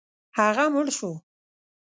هغه مړ شو.